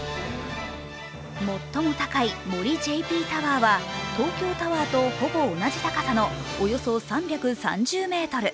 最も高い森ＪＰタワーは東京タワーとほぼ同じ高さのおよそ３３０ｍ。